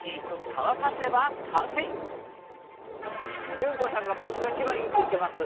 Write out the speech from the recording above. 淳子さんが僕が一番いいって言ってます。